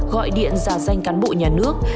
gọi điện ra danh cán bộ nhà nước